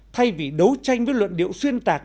thay vì đấu tranh với luận điệu xuyên tạc